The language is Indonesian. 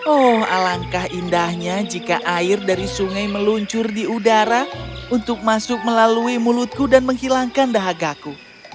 oh alangkah indahnya jika air dari sungai meluncur di udara untuk masuk melalui mulutku dan menghilangkan dahagaku